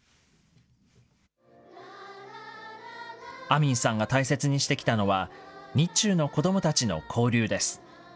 アミンさんが大切にしてきたのは、日中の子どもたちの交流です。